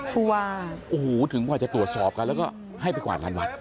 ถึงวันถึงวันจะตรวจสอบกันแล้วก็ให้ไปกว่านานวัน